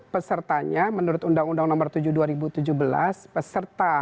pesertanya menurut undang undang nomor tujuh